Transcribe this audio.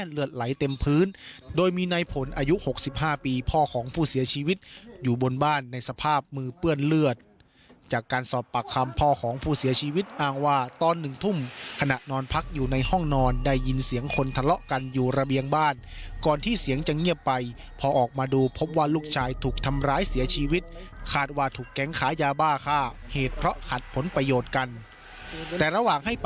เลือดไหลเต็มพื้นโดยมีในผลอายุหกสิบห้าปีพ่อของผู้เสียชีวิตอยู่บนบ้านในสภาพมือเปื้อนเลือดจากการสอบปากคำพ่อของผู้เสียชีวิตอ้างว่าตอนหนึ่งทุ่มขณะนอนพักอยู่ในห้องนอนได้ยินเสียงคนทะเลาะกันอยู่ระเบียงบ้านก่อนที่เสียงจะเงียบไปพอออกมาดูพบว่าลูกชายถูกทำร้ายเสียชีวิตคาดว